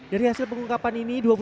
dari hasil pengungkapan ini